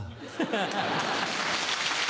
ハハハ！